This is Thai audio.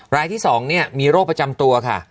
รายที่๒มีโรคประจำตัวค่ะ